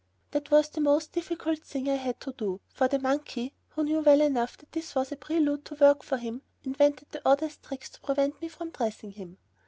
That was the most difficult thing I had to do, for the monkey, who knew well enough that this was a prelude to work for him, invented the oddest tricks to prevent me from dressing him.